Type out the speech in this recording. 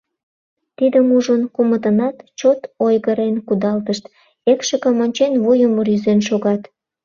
Тидым ужын, кумытынат чот ойгырен кудалтышт, экшыкым ончен, вуйым рӱзен шогат.